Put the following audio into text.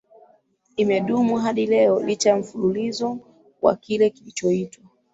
imedumu hadi leo licha ya mfululizo wa kile kinachoitwa